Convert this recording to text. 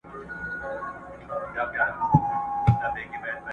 زما كيسه به ښايي نه وي د منلو!!